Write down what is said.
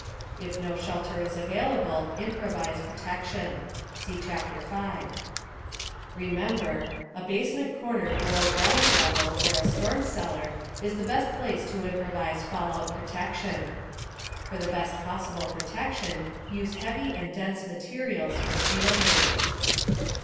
* IF NO SHELTER IS AVAILABLE, IMPROVISE PROTECTION (See Chapter 5, page 33) Remember: * A basement corner below ground level, or a storm cellar, is the best place to improvise fallout protection. * For the best possible protection, use heavy and dense materials for shielding.